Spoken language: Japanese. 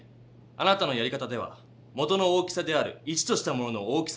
あなたのやり方では元の大きさである１としたものの大きさがちがっていたんです。